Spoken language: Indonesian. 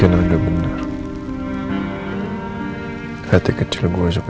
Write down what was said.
ini langkah terakhir yang harus gue ambil